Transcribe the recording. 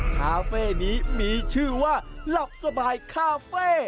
คาเฟ่นี้มีชื่อว่าหลับสบายคาเฟ่